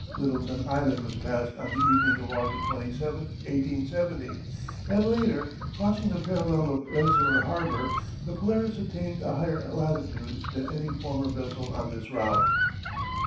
Littleton Island was passed on the evening of August 27, 1870, and later, crossing the parallel of Rensselaer Harbor, the Polaris attained a higher latitude than any former vessel on this route.